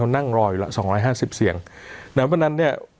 เขานั่งรออยู่แล้วสองร้อยห้าสิบเสียงดังนั้นเนี่ย